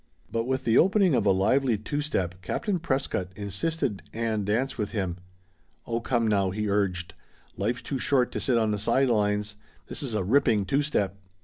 But with the opening of a lively two step Captain Prescott insisted Ann dance with him. "Oh come now," he urged. "Life's too short to sit on the side lines. This is a ripping two step."